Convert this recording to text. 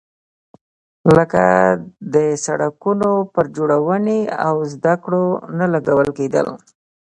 لکه د سړکونو پر جوړونې او زده کړو نه لګول کېدل.